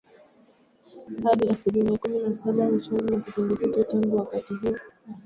hadi asilimia kumi na saba mwishoni mwa kipindi hicho Tangu wakati huo